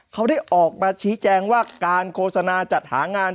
เขาได้ออกมาชี้แจงว่าการโฆษณาจัดหางาน